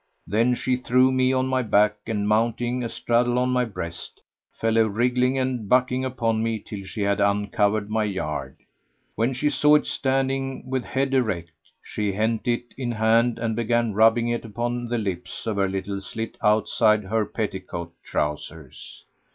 Then she threw me on my back and, mounting astraddle on my breast, fell a wriggling and a bucking upon me till she had uncovered my yard. When she saw it standing with head erect, she hent it in hand and began rubbing it upon the lips of her little slit[FN#92] outside her petticoat trousers.